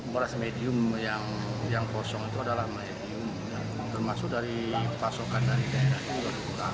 beras medium yang kosong itu adalah medium termasuk dari pasokan dari daerah juga